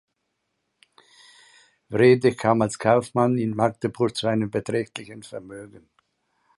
Wrede kam als Kaufmann in Magdeburg zu einem beträchtlichen Vermögen.